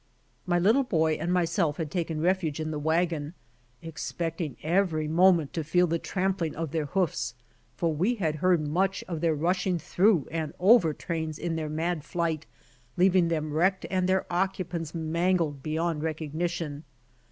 My little boy and myself had taken refuge in the wagon, expecting every moment to feel the trampling of their hoofs, for we had heard much of their rushing through and over trains in their mad flight, leaving them wrecked and their occupants mangled beyond recognition.